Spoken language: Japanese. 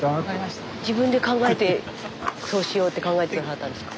スタジオ自分で考えてそうしようって考えて下さったんですか？